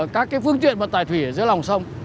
các cái phương tiện vận tải thủy ở dưới lòng sông